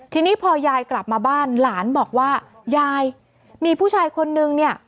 ทีนี้พอยายกลับมาบ้านหลานบอกว่ายายมีผู้ชายคนนึงเนี่ย